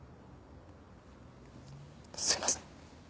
すみません。